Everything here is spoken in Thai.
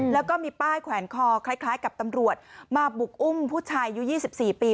แล้วก็มีป้ายแขวนคอคล้ายกับตำรวจมาบุกอุ้มผู้ชายอายุ๒๔ปี